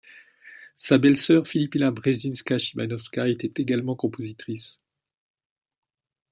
Sa belle-sœur, Filipina Brzezińska-Szymanowska, était également compositrice.